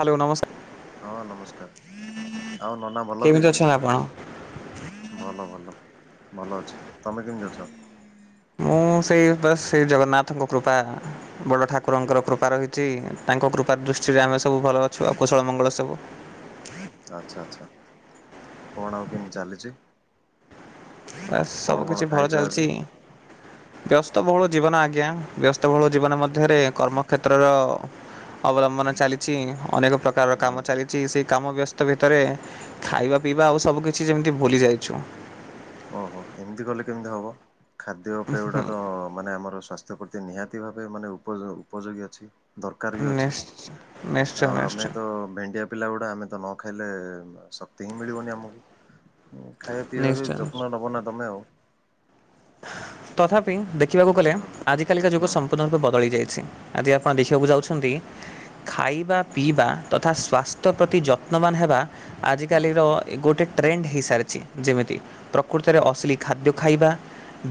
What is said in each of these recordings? Hello ନମସ୍କାର ହଁ ନମସ୍କାର ଆଉ ନନା ଭଲ ତି କେମିତି ଅଛନ୍ତି ଆପଣ? ଭଲ ଭଲ ଭଲ ଅଛି ତମେ କେମିତି ଅଛ? ମୁଁ ସେଇ ବାସ୍ ଜଗନ୍ନାଥଙ୍କ କୃପା ବଡ଼ ଠାକୁରଙ୍କର କୃପା ରହିଛି ତାଙ୍କ କୃପା ଦୃଷ୍ଟିରେ ଆମେ ସବୁ ଭଲ ଅଛୁ ଆଉ କୁଶଳ ମଙ୍ଗଳ ସବୁ ଆଚ୍ଛା ଆଚ୍ଛା କଣ ଆଉ କେମିତି ଚାଲିଛି? ବାସ୍ କଣ ସବୁ କଣ କିଛି ଖାଇଛ ଭଲ ଚାଲିଛି। [inaudible] ବ୍ୟସ୍ତବହୁଳ ଜୀବନ ଆଜ୍ଞା ବ୍ୟସ୍ତ ବହୁଳ ଜୀବନ ମଧ୍ୟରେ କର୍ମ କ୍ଷେତ୍ରର ଅବଲମ୍ବନ ଚାଲିଛି ଅନେକ ପ୍ରକାରର ହୁଁ କାମ ଚାଲିଛି ସେ କାମ ବ୍ୟସ୍ତ ଭିତରେ ଖାଇବା ପିଇବା ଆଉ ସବୁ କିଛି ଯେମିତି ଭୁଲି ଯାଇଛୁ। ଓହୋ ଏମିତି କଲେ କେମିତି ହବ ଖାଦ୍ୟ ପେଅଟା ତ ମାନେ ଆମର ସ୍୍ୱାସ୍ଥ୍ୟ ପ୍ରତି ନିହାତି ଭାବେ ମାନେ ଉପ ଉପଯୋଗୀ ଅଛି। ଦରକାର ବି ଅଛି ନିଶ୍ଚୟ ନିଶ୍ଚୟ ଆଉ ଆମେ ନିଶ୍ଚୟ ତ ଭେଣ୍ଡିଆ ପିଲା ଗୁଡ଼ା ଆମେ ତ ନ ଖାଇଲେ ଶକ୍ତି ହିଁ ମିଳିବନି ଆମକୁ ଖାଇବା ପିଇବା ବି ଯ ନିଶ୍ଚୟ। ଦବ ନା ତମେ ଆଉ। ତଥାପି ଦେଖିବାକୁ ଗଲେ ହୁଁ ଆଜିକାଲି କା ଯୁଗ ହୁଁ ସମ୍ପୂର୍ଣ୍ଣ ରୂପେ ବଦଳି ଯାଇଛି। ଆଜିି ଆପଣ ଦେଖିବାକୁ ଯାଉଛନ୍ତି କି? ଖାଇବା ପିଇବା ତଥା ସ୍ୱାସ୍ଥ୍ୟ ପ୍ରତି ଯତ୍ନବାନ ହେବା ହୁଁ ଆଜିକାଲିର ଗୋଟେ ଟ୍ରେଣ୍ଡ ହୋଇସାରିଛି ଯେମିତି ପ୍ରକୃତରେ ଅସଲି ଖାଦ୍ୟ ଖାଇବା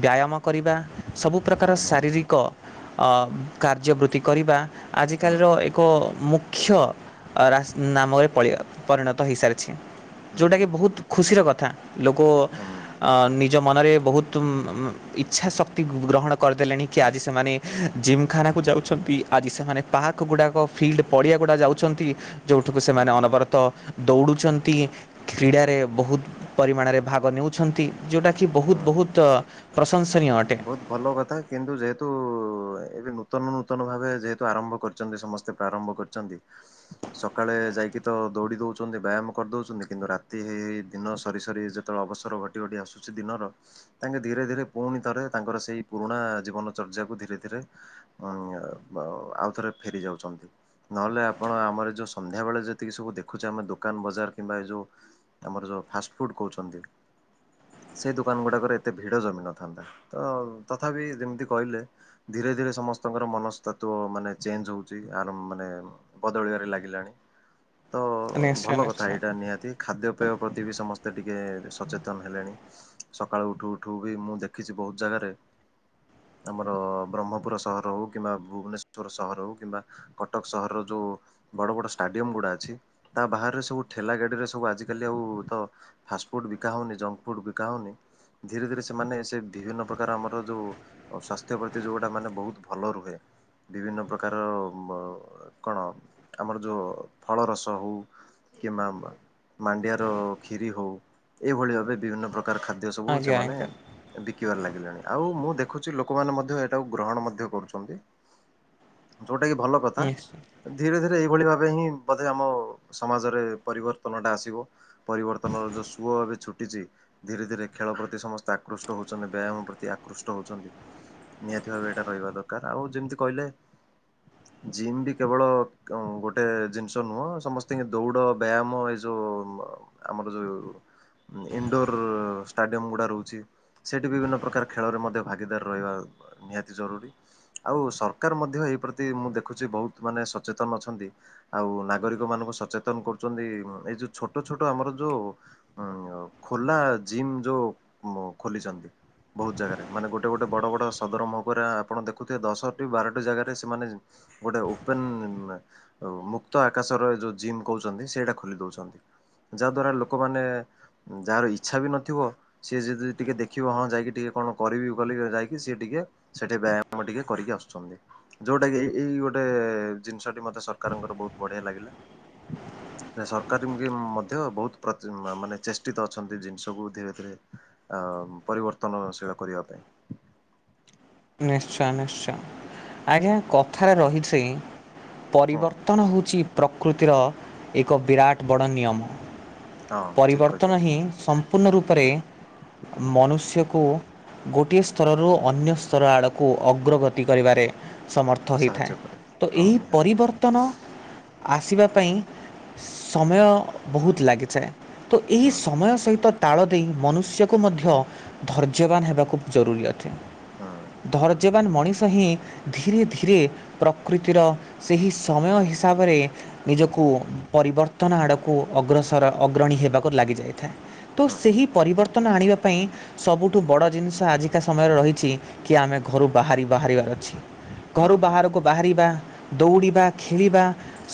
ବ୍ୟାୟାମ କରିବା ସବୁ ପ୍ରକାର ହୁଁ ହୁଁ। ଶାରୀରିକ କାର୍ଯ୍ୟ ବୃତ୍ତି କରିବା ହୁଁ ଆଜିକାଲିର ଏକ ମୁଖ୍ୟ [unintelligible] ନାମରେ ରେ ପରିଣତ ହୋଇସାରିଛି ହୁଁ ଯେଉଁଟାକି ବହୁତ ଖୁସିର କଥା ଲୋକ ନିଜ ମନରେ ବହୁତ ଇଚ୍ଛା ଶକ୍ତି ଗ୍ରହଣ କରିଦେଲେଣି କି ଆଜି ସେମାନେ ଜିମ୍ ଖାନାକୁ ଯାଉଛନ୍ତି। ଆଜି ସେମାନେ ପାକର କୁକୁଡାକ ଫିଲ୍ଡ ପଡ଼ିଆ ଗୁଡ଼ାକ ଯାଉଛନ୍ତି ଯେଉଁଠୁ କୁ ହୁଁ ସେମାନେ ହୁଁ। ଅନବରତ ଦୌଡ଼ୁଛନ୍ତି। କ୍ରୀଡ଼ାରେ ବହୁତ ପରିମାଣରେ ଭାଗ ନେଉଛନ୍ତି ଯେଉଁଟାକି ବହୁତ ହୁଁ ବହୁତ ତ ପ୍ରଶଂସନୀୟଟ ବହୁତ ଭଲ କଥା କିନ୍ତୁ ଯେହେତୁ ଏବେ ନୂତନ ନୂତନ ଭାବେ ଯେହେତୁ ଆରମ୍ଭ କରିଛନ୍ତି ସମସ୍ତେ ପ୍ରାରମ୍ଭ କରି ଛନ୍ତି। ସକାଳେ ଯାଇକି ତ ଦୌଡ଼ି ଦେଉଛନ୍ତି ବ୍ୟାୟାମ କରିଦଉଛନ୍ତି କିନ୍ତୁ ରାତି ହେଇ ଦିନ ସରିସରି ନୂଆ ଅବସର ଘଟି ଘଟି ଆସୁଛି ଦିନର ତାଙ୍କେ ଧୀରେ ଧୀରେ ପୁଣି ରେ ତାଙ୍କର ସେଇ ପୁରୁଣା ଜୀବନଚର୍ଯ୍ୟାକୁ ଧୀରେ ଧୀରେ ଉ ଆଉଥରେ ଫେରି ଯାଉଛନ୍ତି। ନହେଲେ ଆପଣ ଆମର ଯେଉଁ ସନ୍ଧ୍ୟାବେଳେ ଯେତିକି ସବୁ ଦେଖୁଛେ ଆମେ ଦୋକାନ ବଜାର କିମ୍ବା ଏ ଯେଉଁ ଆମର ଯୋଉ ଫାଷ୍ଟଫୁଡ କହୁଛନ୍ତି ସେଇ ଦୋକାନ ଗୁଡାକରେ ଏତେ ଭିଡ ଜମି ନଥାନ୍ତା। ତ ତଥାପି ଯେମିତି କହିଲେ। ଧୀରେ ଧୀରେ ସମସ୍ତଙ୍କର ମନସ୍ତ୍ଵ ମାନେ ଚେଞ୍ଜ ହଉଛି ଆର ମାନେ ବଦଳିବାରେ ଲାଗିଲାଣି ତ ନିଶ୍ଚୟ ଭଲ କଥା ନିଶ୍ଚୟ ଏଇଟା ନିହାତି। ଖାଦ୍ୟପେୟ ପ୍ରତି ବି ସମସ୍ତେ ଟିକେ ସଚେତନ ହେଲେଣି। ସକାଳୁ ଉଠୁ ଉଠୁ ବି ମୁଁ ଦେଖିଛି ବହୁତ ଜାଗାରେ ଆମର ବ୍ରହ୍ମପୁର ସହର ହେଉ କିମ୍ବା ଭୁବନେଶ୍ୱଵର ସହର ହେଉ କିମ୍ବା କଟକ ସହରର ଯୋଉ ବଡ଼ ବଡ଼ ଷ୍ଟାଡିୟମ ଗୁଡା ଅଛି ତା ବାହାରରେ ସବୁ ଠେଲା ଗାଡିରେ ସବୁ ଆଜିିକାଲି ଆଉ ତ ଫାଷ୍ଟ୍ ଫୁଡି ବିକା ହୋଉନି ଜଙ୍କ୍ ଫୁଡ୍ ବିକା ହୋଉନି ଧୀରେ ଧୀରେ ସେମାନେ ସେ ବିଭିନ୍ନ ପ୍ରକାର ଆମର ଯୋଉ ସ୍ୱାସ୍ଥ୍ୟ ପ୍ରତି ଯୋଉଟା ମାନେ ବୋହୁତ ଭଲ ରୁହେ। ବିଭିନ୍ନ ପ୍ରକାର ମ କଣ ଆମର ଯୋଉ ଫଳ ରସ ହୋଉ କିମ୍ବା ମାଣ୍ଡିଆର ଖିରି ହୋଉ ଏଇଭଳି ଭାବେ ବିଭିନ୍ନ ପ୍ରକାର ଖା ଦ୍ୟ ସବୁ ଆଜ୍ଞା ସେମାନେ ଆଜ୍ଞା ବିକିବାର ଲାଗି ହେଲାଣି ଆଉ ମୁଁ ଦେଖୁଚି ଲୋକମାନେ ମଧ୍ୟ ଏଇଟାକୁ ଗ୍ରହଣ ମଧ୍ୟ କରୁଚନ୍ତି। ଯୋଉଟା କି ଭଲ କଥା। ନିଶ୍ଚୟ ଧୀରେ ଧୀରେ ଏଇଭଳି ଭାବେ ହିଁ ବୋଧେ ଆମ ସମାଜରେ ପରିବର୍ତ୍ତନଟା ଆସିବ। ପରିବର୍ତ୍ତନର ଯୋଉ ସୁଅ ଏବେ ଛୁଟିଚି ଧୀରେ ଧୀରେ ଖେଳ ପ୍ରତି ସମସ୍ତେ ଆକୃଷ୍ଟ ହୋଉଚନ୍ତି ବ୍ୟାୟାମ। ପ୍ରତି ଆକୃଷ୍ଟ ହୋଉଛନ୍ତି ନିହାତି ଭାବେ ଏଇଟା ରହିବା ଦରକାର ଆଉ ଯେମିତି କହିଲେ। ଜିମ୍ ବି କେବଳ ଗୋଟେ ଜିନିଷ ନୁହଁ ସମସ୍ତିଙ୍କି ଦୌଡ଼ ବ୍ୟାୟାମ୍ ଏ ଯୋଉ ଆମର ଯୋଉ ଇଣ୍ଡୋର ଷ୍ଟାଡିୟମଗୁଡା ରହୁଚି ସେଠି ବିଭିନ୍ନ ପ୍ର ପ୍ରକାର ଖେଳରେ ମଧ୍ୟ ଭାଗିଦାର ରହିବା ନିହାତି ଜରୁରୀ। ଆଉ ସରକାର ମଧ୍ୟ ଏଇ ପ୍ରତି ମୁଁ ଦେଖୁଚି ବୋହୁତ ମାନେ ସଚେତନ ଅଛନ୍ତି। ଆଉ ନାଗରିକ ମାନଙ୍କୁ ସଚେତନ କରୁଚନ୍ତି ଏଇ ଯୋଉ ଛୋଟ ଛୋଟ ଆମର ଯୋଉ ହୁଁ ଆଉ ଖୋଲା ଜିମ୍ ଯୋଉ ମ ଖୋଲିଚନ୍ତି। ବୋହୁତ ଜାଗାରେ ମାନେ ଗୋଟେ ଗୋଟେ ବଡ଼ ବଡ ସଦର ମହକରା ଆପଣ ଦେଖୁଥିବେ ଦଶଟି ବାରଟି ଜାଗାରେ ସେମାନେ ଗୋଟେ ଓପେନ ମୁକ୍ତ ଆକାଶର ଏଇ ଯୋଉ ଜିମ୍ କୋହୁଚନ୍ତି ସେଇଟା ଖୋଲି ଦୋଉଚନ୍ତି। ଯାହା ଦ୍ୱାରା ଲୋକମାନେ ଯାହାର ଇଚ୍ଛା ବି ନଥିବ ସିଏ ଯଦି ଟିକେ ଦେଖିବ ହଁ ଯାଇକି ଟିକେ କଣ କରିବି ବୋଲି ଯାଇକି ସିଏ ଟିକେ ସେଠି ବ୍ୟାମ ଟିକେ କରିକି ଆସୁଚନ୍ତି। ଯୋଉଟା କି ଏଇ ଗୋଟେ ଜିନିଷଟି ମତେ ସରକାରଙ୍କର ବୋହୁତ ବଢିଆ ଲାଗିଲା। ନାଇଁ ସରକାର ବି ମଧ୍ୟ ବୋହୁତ ପ୍ରତି ମାନେ ଚେଷ୍ଟିତ ଅଛନ୍ତି ଜିନିଷକୁ ଧୀରେ ଧୀରେ ଆଉ ପରିବର୍ତ୍ତନଶୀଳ କରିବା ପାଇଁ। ନିଶ୍ଚୟ ନିଶ୍ଚୟ। ଆଜ୍ଞା କଥାରେ ରହିଛି ହଁ ପରିବର୍ତ୍ତନ ହୋଉଚି ପ୍ରକୃତିର ଏକ ବିରାଟ ବଡ଼ ନିୟମ ହଁ ଠିକ ପରିବର୍ତ୍ତନ କହିଛନ୍ତି ହିଁ ସମ୍ ମ୍ପୂର୍ଣ୍ଣ ରୂପରେ ମନୁଷ୍ୟକୁ ଗୋଟିଏ ସ୍ତରରୁ ଅନ୍ୟ ସ ସ୍ତର ଆଡ଼କୁ ଅଗ୍ରଗତି କରିବାରେ ସମର୍ଥ ହେଇଥାଏ ସାହାଯ୍ୟ କରେ। ତ ହଁ ଏହି ନିହାତି ପରିବର୍ତ୍ତନ ଆସିବା ପାଇଁ ସମୟ ବୋହୁତ ଲାଗିଯାଏ। ତ ଏହି ହୁଁ ସମୟ ସହିତ ତାଳ ଦେଇ ମନୁଷ୍ୟକୁ ମଧ୍ୟ ଧୈର୍ଯ୍ୟବାନ ହେବାକୁ ଜରୁରୀ ଅଟେ। ହଁ। ଧୈର୍ଯ୍ୟବାନ ମଣିଷ ହିଁ ଧୀରେ ଧୀରେ ପ୍ରକୃତିର ସେହି ସମୟ ହିସାବରେ ନିଜକୁ ପରିବର୍ତ୍ତନ ଆଡକୁ ଅଗ୍ରସର ଅଗ୍ରଣୀ ହେବାକୁ ଲାଗି ଯାଇଥାଏ। ତ ହୁଁ ହୁଁ ସେହି ହୁଁ। ପରିବର୍ତ୍ତନ ଆଣିବା ପାଇଁ ସବୁଠୁ ବଡ଼ ଜିନିଷ ଆଜିକା ସମୟରେ ରହିଛି କି ଆମେ ଘରୁ ବାହାରି ବାହାରିବାର ଅଛି ହଁ ଘରୁ ହଁ ବାହାରକୁ ବାହାରିବା ଦୌଡ଼ିବା ଖେଳିବା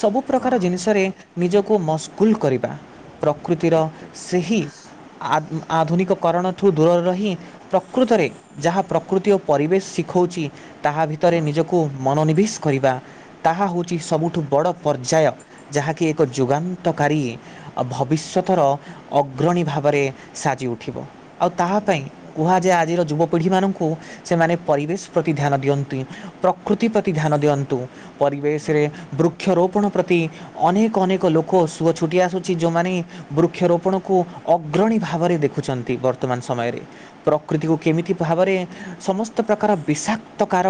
ସବୁ ପ୍ରକାର ହଁ ଜିନିଷରେ ନିଜକୁ ମସଗୁଲ୍ କରିବା ପ୍ରକୃତିର ଠିକ୍ ଠିକ୍ ସେହି ଆ ଆଧୁନିକ କରଣଠୁ ଦୂରରେ ରହି ପ୍ରକୃତରେ ଯାହା ପ୍ରକୃତି ଓ ପରିବେଶ ଶିଖୋଉଛି ତାହା ଭିତରେ ହଁ ନିଜ କୁ ମନୋନିବେଶ କରିବା ତାହା ହୋଉଚି ସବୁଠୁ ବଡ଼ ପର୍ଯ୍ୟାୟ। ଯାହାକି ଏକ ଯୋଗାନ୍। ଗତକାରୀ ଭବିଷ୍ୟତର ଅଗ୍ରଣୀ ଭାବରେ ସାଜି ଉଠିବ। ଆଉ ତାହା ପାଇଁ ନିହାତି ନିହାତି କୁହାଯାଏ ଆଜିର ଯୁବପିଢ଼ିମାନଙ୍କୁ କୁ ସେମାନେ ପରିବେଶ ପ୍ରତି ଧ୍ୟାନ ଦିଅନ୍ତି ପ୍ରକୃତି ପ୍ରତି ଧ୍ୟାନ ଦିଅନ୍ତୁ। ହଁ ପରିବେଶରେ ବୃକ୍ଷରୋପଣ ପ୍ରତି ଅନେକ ଅନେକ ଲୋକ ସୁଅ ଛୁଟି ଆସୁଛି ଯୋଉମାନେ ବୃକ୍ଷରୋପଣକୁ ଅଗ୍ରଣୀ ଭାବରେ ଦେଖୁଚନ୍ତି ବ ବର୍ତ୍ତମାନ ସମୟରେ ପ୍ରକୃତିକୁ କେମିତି ଭାବରେ ସମସ୍ତ ପ୍ରକାର ବିଷାକ୍ତକାର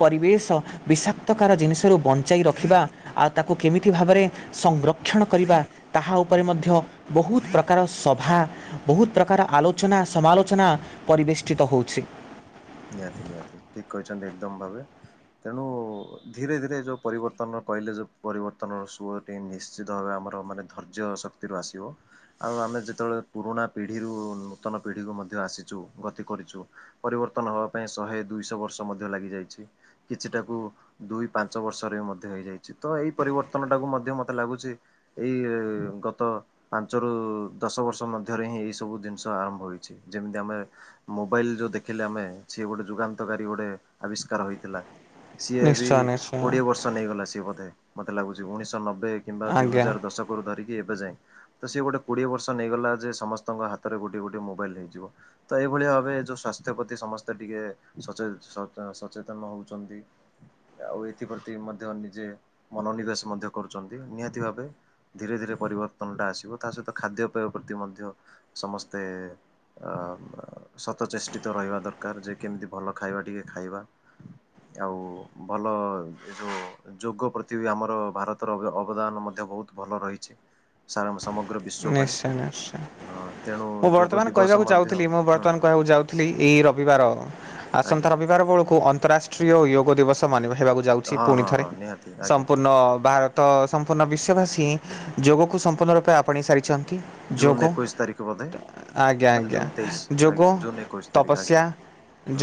ପରିବେଶ ବିଷାକ୍ତକାର ଜିନିଷରୁ ବଞ୍ଚାଇ ରଖିବା ଆଉ ତାକୁ କେମିତି ଭାବରେ ସଂଗ୍ର କ୍ଷଣ କରିବା ତାହା ଉପରେ ମଧ୍ୟ ବହୁତ ପ୍ରକାର ସଭା ବହୁତ ପ୍ରକାର ଆଲୋଚନା ସମାଲୋଚନା ପରିବେଷ୍ଟିତ ହଉଛି। ନିହାତି ନିହାତି ଠିକ୍ କହିଛନ୍ତି ଏକଦମ୍ ଭାବେ। ତେଣୁ ଧୀରେ ଧୀରେ ଯେଉଁ ପରିବର୍ତ୍ତନର କହିଲେ ଯେଉଁ ପରିବର୍ତ୍ତନର ସୁର ତିନ୍ ନିଶ୍ଚିତ ଭାବେ ଆମର ମାନେ ଧୈର୍ଯ୍ୟ ଶକ୍ତିରୁ ଆସିବ। ଆଉ ଆମେ ଯେତେବେଳେ ପୁରୁଣା ପିଢ଼ିରୁ ନୂତନ ପିଢ଼ିକୁ ମଧ୍ୟ ଆସିଛୁ ଗତି କରିଚୁ। ପରିବର୍ତ୍ତନ ହବା ପାଇଁ ଶହେ ଦୁଇଶହ ବର୍ଷ ମଧ୍ୟ ଲାଗି ଯାଇଛି କିଛିଟାକୁ ଦୁଇ, ପାଞ୍ଚ ବର୍ଷରେ ବି ମଧ୍ୟ ହେଇଯାଇଛି ତ ଏଇ ପରିବର୍ତ୍ତନ ଟାକୁ ମଧ୍ୟ ମତେ ଲାଗୁଚି ଏଇ- ଗତ ପାଞ୍ଚରୁ ଦଶ ବର୍ଷ ମଧ୍ୟରେ ହିଁ ଏଇ ସବୁ ଜିନିଷ ଆରମ୍ଭ ହୋଇଛି ଯେମିତି ଆମେ ମୋବାଇଲ ଯୋଉ ଦେଖିଲେ ଆମେ ସିଏ ଗୋଟେ ଯୁଗାନ୍ତକାରୀ ଗୋଟେ ଆବିଷ୍କାର ହୋଇ ଥିଲା। ସିଏ ବି ନିଶ୍ଚୟ ନିଶ୍ଚୟ କୋଡିଏ ବର୍ଷ ତ ନେଇଗଲା ସିଏ ବୋଧେ ମତେ ଲାଗୁଛି ଉଣେଇଶହ ନବେ କିମ୍ବା ଦୁଇ ଆଜ୍ଞା ହଜାର ଦଶକ ରୁ ଧରିକି ଏବେ ଯାଏଁ। ତ ସିଏ ଗୋଟେ କୋଡିଏ ବର୍ଷ ନେଇଗଲା ଯେ ସମସ୍ତଙ୍କ ହାତରେ ଗୋଟେ ଗୋଟେ ମୋବାଇଲ ହେଇଯିବ। ତ ଏଇଭଳିଆ ଭାବେ ଯୋଉ ସ୍ୱାସ୍ଥ୍ୟ ପ୍ରତି ସମ ମତେ ଟିକେ ସଚ ସଚେତନ ହଉଚନ୍ତି। ଆଉ ଏଥିପ୍ରତି ମଧ୍ୟ ନିଜେ ମନୋନିବେଶ ମଧ୍ୟ କରୁଛନ୍ତି ନିହାତି ଭାବେ। ଧୀରେ ଧୀରେ ପରିବର୍ତ୍ତନଟା ଆସିବ ତା ସହିତ ଖାଦ୍ୟପେୟ ପ୍ରତି ମଧ୍ୟ ସମସ୍ତେ ଅଁ ହ ସତ ଚେଷ୍ଟିତ ରହିବା ଦରକାର ଯେ କେମିତି ଭଲ ଖାଇବା ଟିକେ ଖାଇବା। ଆଉ ଭଲ ଏ ଯେଉଁ ଯୋଗ ପ୍ରତି ବି ଆମର ଭାରତର ଅବଦାନ ମଧ୍ୟ ବହୁତ ଭଲ ରହିଛି। ସାରା ସମଗ୍ର ବିଶ୍ୱ ପାଇଁ। ନିଶ୍ଚୟ ନିଶ୍ଚୟ। ହଁ ତେଣୁ ମୁଁ ଯୋଗ ଦିବସ ମଧ୍ୟ ହଁ ହଁ କିଲ୍ଲି ଏଇ ରବିବାର ଆସନ୍ତା ରବିବାର ବଳକୁ ଅନ୍ତରାଷ୍ଟ୍ରୀୟ ଯୋଗ ଦିବସ ମାନିବା ହେବାକୁ ଯାଉଛି ହଁ ପୁଣି ହଁ ଥରେ ହଁ ନିହାତି ଆଜ୍ଞା ସମ୍ପୂର୍ଣ୍ଣ ଭା ତ ସମ୍ପୂର୍ଣ୍ଣ ବିଶ୍ୱବାସୀ ଯୋଗକୁ ସମ୍ପୂର୍ଣ୍ଣ ରୂପେ ଆପଣେଇ ସାରିଛନ୍ତି। ଜୁନ୍ ଯୋଗ ଏକୋଇଶ ତାରିଖ ବୋଧେ ଆଜ୍ଞା ନା ଆଜ୍ଞା ଜୁନ୍ ତେଇଶ ଯୋଗ ଆଜ୍ଞା ଜୁନ୍ ଏକୋଇଶ ତାରିଖ ଆଜ୍ଞା ତପସ୍ୟା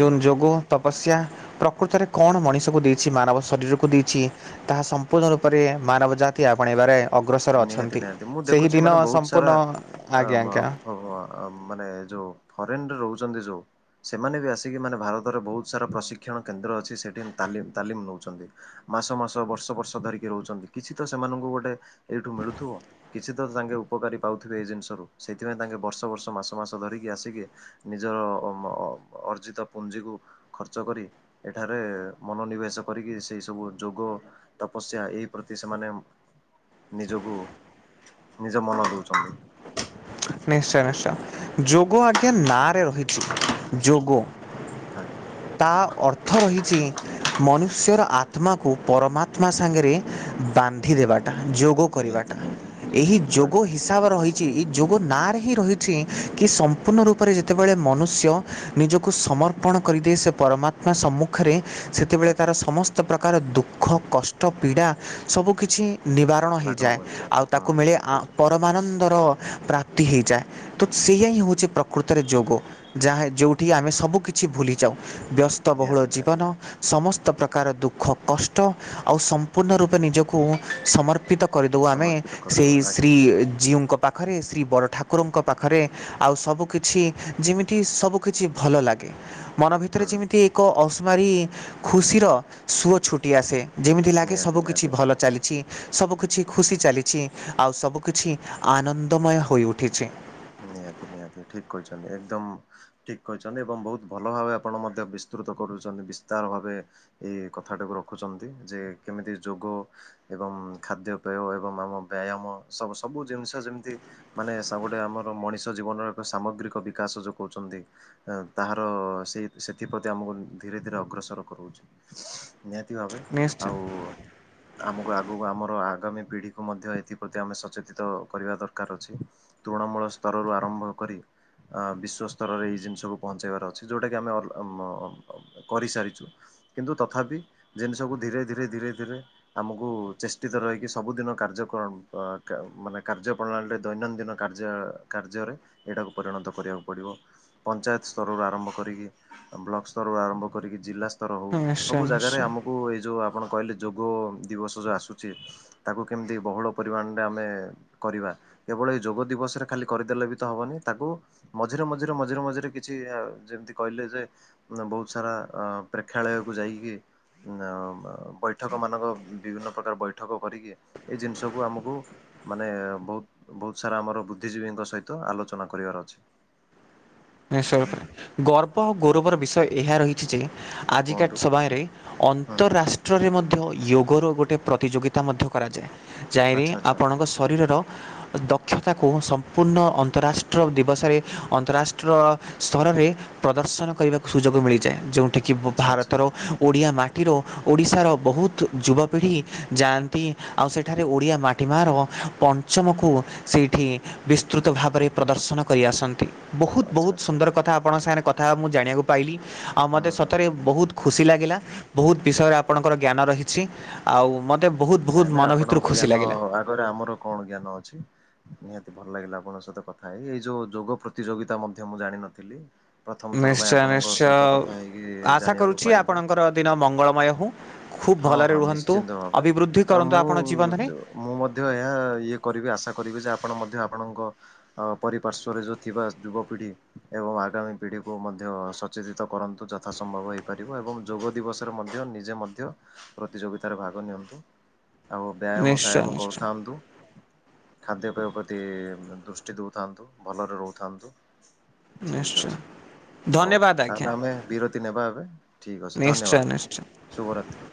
ଜୋନ ଯୋଗ ତପସ୍ୟା ପ୍ରକୃତରେ କଣ ମଣିଷକୁ ଦେଇଛି ମାନବ ଶରୀରକୁ ଦେଇଚି। ତାହା ସମ୍ପୂର୍ଣ୍ଣ ରୂପରେ ମାନବ ଜାତି ଆପଣେଇବାରେ ଅଗ୍ରସର ଅଛନ୍ତି। ସେହି ଖୁଛି ଦିନ ମାନେ ବହୁତ ସାରା ସମ୍ପୂର୍ଣ୍ଣ ଆଜ୍ଞା ଆଁ-ବ୍ ଆଜ୍ଞା। ଓହୋ ଅଁ ମାନେ ଯେଉଁ ଫରେନ୍ରେ ରହୁଛନ୍ତି ଯୋଉଁ ସେମାନେ ବି ଆସିକି ମାନେ ଭାରତରେ ବହୁତ ସାରା ପ୍ରଶିକ୍ଷଣ କେନ୍ଦ୍ର ଅଛି ସେଠି ତାଲିମ୍ ତାଲିମ୍ ନଉଚନ୍ତି। ମାସ ମାସ ବର୍ଷ ବର୍ଷ ଧରିକି ରହୁଛନ୍ତି କିଛି ତ ସେମାନଙ୍କୁ ଗୋଟେ ଏଇଠୁ ମିଳୁଥିବ। କିଛି ତ ତାଙ୍କେ ଉପକାରୀ ପାଉଥିବେ ଏଇ ଜିନିଷରୁ ସେଥିପାଇଁ ତାଙ୍କେ ବର୍ଷ ବର୍ଷ ମାସ ମାସ ଧରିକି ଆସିକି ନିଜର ଅର୍ଜିତ ପୁଞ୍ଜିକୁ ଖର୍ଚ୍ଚ କରି। ଏଠାରେ ମନୋନିବେଶ କରିକି ସେଇ ସବୁ ଯୋଗ ତପସ୍ୟା ଏଇ ପ୍ରତି ସେମାନେ ନିଜକୁ ନିଜ ମନ ଦଉଛନ୍ତି। ନିଶ୍ଚୟ ନିଶ୍ଚୟ ହୁଁ ଯୋଗ ଆଜ୍ଞା ନାରେ ରହିଛି ଯୋଗ। ଆଜ୍ଞା। ତା ଅର୍ଥ ରହିଛି। ମନୁଷ୍ୟର ଆତ୍ମାକୁ ପରମାତ୍ମା ସାଙ୍ଗରେ ବାନ୍ଧି ଦେବାଟା ଯୋଗ ଯୋଗ ନିହାତି କରିବାଟା ନିହାତି ଠିକ୍ ଏହି ଠିକ୍ ଯୋଗ କହିଲେ ହିସା ରହିଛି ଏଇ ଯୋଗ ନାଁରେ ହିଁ ରହିଛି କି ସମ୍ପୂର୍ଣ୍ଣ ରୂପରେ ଯେତେବେଳେ ମନୁଷ୍ୟ ନିଜକୁ ସମର୍ପଣ କରିଦିଏ ସେ ପରମାତ୍ମା ସମ୍ମୁଖରେ ସେତେବେଳେ ତାର ଆଜ୍ଞା ସମ ସମସ୍ତ ପ୍ରକାର ଦୁଃଖ କଷ୍ଟ ପୀଡ଼ା ସବୁ କିଛି ନିବା ବାରଣ ଲାଘବ ହେଇଯାଏ ହୋଇଯାଏ ଆଉ ହୁଁ ତାକୁ ମିଳେ ଠିକ୍ ଆ କହିଛନ୍ତି ପରମାନମାନନ୍ଦର ପ୍ରାପ୍ତି ହେଇଯାଏ। ତ ସେଇୟା ହିଁ ହଉଛି ପ୍ରକୃତରେ ଯୋଗ। ଯାହା ଯୋଉଠି ଆମେ ସବୁ କିିଛି ଭୁଲିଯାଉ ବ୍ୟସ୍ତବହୁଳ ନିହାତି ଜୀବନ ନିହାତି ସମସ୍ତ ପ୍ରକାର ଦୁଃଖ କଷ୍ଟ ଆଉ ସମ୍ପୂର୍ଣ୍ଣ ରୂପେ ନିଜକୁ ସମର୍ପିତ କରିଦେଉ ଆମେ ସମର୍ପିତ କରିଦେବା ସେହି ଆଜ୍ଞା ଶ୍ରୀ ଜୀଉଙ୍କ ପାଖରେ ଶ୍ରୀ ବଡ଼ ଠାକୁରଙ୍କ ପାଖରେ। ଆଉ ସବୁ କିିଛି ଯେମିତି ସବୁ କିିଛି ଭଲ ଲାଗେ। ମନ ଭିତରେ ହୁଁ ଯେମିତି ଏକ ଅସୁମାରୀ ଖୁସିର ସୁଅ ଛୁଟି ଆସେ ଯେମିତି ଲାଗେ ସବୁ ନିହାତି କିଛି ନିହାତି ଭଲ ଚାଲିଛି। ସବୁ କିଛି ଖୁସି ଚାଲିଛି ଆଉ ସବୁ କିଛି ଆନନ୍ଦମୟ ହୋଇ ଉଠିଛି। ନିହାତି ନିହାତି ଠିକ୍ କହିଛନ୍ତି ଏକଦମ୍ ଠିକ କହିଛନ୍ତି ଏବଂ ବହୁତ ଭଲ ଭାବେ ଆପଣ ମଧ୍ୟ ବିସ୍ତୃତ କରୁଛନ୍ତି ବିସ୍ତାର ଭାବେ ଏଇ କଥା ଟାକୁ ରଖୁଛନ୍ତି ଯେ କେମିତି ଯୋଗ ଏବଂ ଖାଦ୍ୟପେୟ ଏବଂ ଆମ ବ୍ୟାୟାମ ସବୁ ସବୁ ଜିନିଷ ଯେମିତି ମାନେ ସବୁଠି ଆମର ମଣିଷ ଜୀବନର ଏକ ସାମଗ୍ରିକ ବିକାଶ ଯୋଉ କହୁଛନ୍ତି। ତାହାର ସେଇ ସେଥିପ୍ରତି ଆମକୁ ଧୀରେ ଧୀରେ ଅଗ୍ରସର କରଉଛି। ନିହାତି ଭାବେ ନିଶ୍ଚୟ ଆଉ ଆମକୁ ଆଗକୁ ଆମର ଆଗାମୀ ପିଢ଼ିକୁ ମଧ୍ୟ ଏଥିପ୍ରତି ଆମେ ସଚେତିତ କରିବା ଦରକାର ଅଛି। ତୃଣମୂଳ ସ୍ତରରୁ ଆରମ୍ଭ କରି। ଆଁ ବିଶ୍ୱସ୍ତରରେ ଏଇ ଜିନିଷକୁ ପହଞ୍ଚାଇବାର ଅଛି ଯୋଉଟାକି ଆମେ କରିସାରିଛୁ କିନ୍ତୁ ତଥାପି ଜିନିଷକୁ ଧୀରେ ଧୀରେ ଧୀରେ ଧୀରେ ଆମକୁ ଚେଷ୍ଟିତ ରହିକି ସବୁଦିନ କାର୍ଯ୍ୟ କଳ ମାନେ କାର୍ଯ୍ୟ ପ୍ରଣାଳୀରେ ଦୈନନ୍ଦିନ କାର୍ଯ୍ୟ କାର୍ଯ୍ୟରେ ଏଇଟାକୁ ପରିଣତ କରିବାକୁ ପଡ଼ିବ। ପଞ୍ଚାୟତ ସ୍ତରରୁ ଆରମ୍ଭ କରିକି ବ୍ଲକ ସ୍ତରରୁ ଆରମ୍ଭ କରିକି ଜିଲ୍ଲା ସ୍ତରର ହଉ ନିଶ୍ଚୟ ସବୁ ଜାଗାରେ ନିଶ୍ଚୟ ଆମକୁ ଏଇ ଯୋଉ ଆପଣ କହିଲେ ଯୋଗ ଦିବସ ଯୋଉ ଆସୁଛି ତାକୁ କେମିତି ବହୁଳ ପରିମାଣରେ ଆମେ କରିବା କେବଳ ଏଇ ଯୋଗ ଦିବସରେ ଖାଲି କରିଦେଲେ ବି ତ ହବନି ତାକୁ ମଝିରେ ମଝିରେ ମଝିରେ ମଝିରେ କିଛି ଯେମିତି କହିଲେ ଯେ ବହୁତ ସାରା ପ୍ରେକ୍ଷାଳୟକୁ ଯାଇକି ବୈଠକ ମାନଙ୍କ ବିଭିନ୍ନ ପ୍ରକାର ବୈଠକ କରିକି ଏଇ ଜିନିଷ କୁ ଆମକୁ ମାନେ ବହୁତ ବହୁତ ସାରା ଆମର ବୁଦ୍ଧିଜୀବୀଙ୍କ ସହିତ ଆଲୋଚନା କରିବାର ଅଛି। [inaudible] ଗର୍ବ ଆଉ ହଁ ଗୌରବର ବିଷୟ ଏହା ରହିଛି ଯେ ଆଜିକା କୁହନ୍ତୁ ସଭାୟରେ ହୁଁ ଅନ୍ତର ହୁଁ ରା କ୍ଷେତ୍ରରେ ମଧ୍ୟ ୟଗର ଗୋଟେ ପ୍ରତିଯୋଗିତା ମଧ୍ୟ କରାଯାଏ। ଯାଇରେ ଆଚ୍ଛା ଆଚ୍ଛା। ଆପଣଙ୍କ ଶରୀରର ଦକ୍ଷତାକୁ ସମ୍ପୂର୍ଣ୍ଣ ଅନ୍ତରାଷ୍ଟ୍ର ଦିବସରେ ଅନ୍ତରାଷ ରାଷ୍ଟ୍ର ସ୍ତରରେ ପ୍ରଦର୍ଶନ କରିବାକୁ ସୁଯୋଗ ମିଳିଯାଏ ଯୋଉଠି କି ଆଚ୍ଛା ଆଚ୍ଛା ଭାରତର ଓଡ଼ିଆ ମାଟି ମାଟିର ଓଡ଼ିଶାର ବହୁତ ଯୁବପିଢ଼ି ଯାଆନ୍ତି ଆଉ ସେଠାରେ ଓଡ଼ିଆ ମା ପ୍ରଟିମାର ପଞ୍ଚମକୁ ସେଇଠି ବିସ୍ତୃତ ଭାବରେ ପ୍ରଦର୍ଶନ କରି ଆସନ୍ତି! ବହୁତ୍ ଆଚ୍ଛା ବହୁତ୍ ଆଚ୍ଛା ସୁନ୍ଦର କଥା ଆପଣଙ୍କ ସାଙ୍ଗରେ କଥା ମୁଁ ଜାଣିବାକୁ ପାଇଲି ଆଉ ହୁଁ ମୋତେ ହୁଁ ସତରେ ହୁଁ ବହୁତ! ଖୁସି ଲାଗିଲା! ବହୁତ ବିଷୟରେ ଆପଣଙ୍କର ଜ୍ଞାନ ରହିଛି! ଆଉ ମୋତେ! ବହୁତ୍ ନାଇଁ ବହୁତ୍ ନାଇଁ ମନ ଭିତରୁ ଆପଣଙ୍କ ଖୁସି ଜ୍ଞାନ ଲାଗିଲା! ଆମର କଣ ଜ୍ଞାନ ଅଛି? ନିହାନ୍ତି ଭଲ ଲାଗିଲା ଆପଣଙ୍କ ସହିତ କଥା ହେଇକି! ଏଇ ଯୋଉ ଯୋଗ ପ୍ରତିଯୋଗିତା ମଧ୍ୟ ମୁଁ ଜାଣିନଥିଲି! ପ୍ରଥମ ଥର ପାଇଁ ନିଶ୍ଚୟ ଆପଣଙ୍କ ନିଶ୍ଚୟ ସହିତ କଥା ହେଇକି ଆଶା ଜାଣିବାକୁ କରୁଛି ପାଇଲି! ଆପଣଙ୍କର ଦିନ ମଙ୍ଗଳମୟ ହଉ ଖୁବ୍ ହଁ ଭଲରେ ହଁ ରୁହନ୍ତୁ! ନିଶ୍ଚିନ୍ତ ଭାବେ। ଅଭିବୃଦ୍ଧି ଆଉ କରନ୍ତୁ ମୁଁ ଆପଣ ଜୀବନରେ! ମୁଁ ମଧ୍ୟ ଏହା ଇଏ କରିବି ଆଶା କରିବି ଯେ ଆପଣ ମଧ୍ୟ ଆପଣଙ୍କ! ଆମ ପରିପାର୍ଶ୍ୱଵରେ ଯଉ ଥିବା ଯୁବପିଢ଼ି ଏବଂ ଆଗାମୀ ପିଢ଼ିକୁ ମଧ୍ୟ! ଚେତିତ କରନ୍ତୁ ଯଥା ସମ୍ଭବ ହୋଇଇପାରିବ ଏବଂ ଯୋଗ ଦିବସରେ ମଧ୍ୟ ନିଜେ ମଧ୍ୟ! ପ୍ରତିଯୋଗିତାରେ ଭାଗ ନିଅନ୍ତୁ ଆଉ ବ୍ୟାୟାମ ନିଶ୍ଚୟ ଫ୍ୟାୟାମ ନିଶ୍ଚୟ କରୁଥାନ୍ତୁ! ଖାଦ୍ୟପେୟ ପ୍ରତି ଦୃଷ୍ଟି ଦେଉଥାନ୍ତୁ! ଭଲରେ ରହୁଥାନ୍ତୁ! ଠିକ୍ ନିଶ୍ଚୟ! ଅଛି। ହଉ ଧନ୍ୟବାଦ ତାହେଲେ ଆଜ୍ଞା ଆମେ ବିରତି ନେବା ଏବେ! ଠିକ୍ ଅଛି ନିଶ୍ଚୟ ନିଶ୍ଚୟ। ଧନ୍ୟବାଦ ଶୁଭରାତ୍ରି!